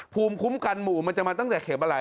ภูมิคุ้มกันหมู่มันจะมาตั้งแต่เข็มอะไร